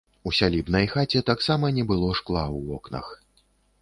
У сялібнай хаце таксама не было шкла ў вокнах.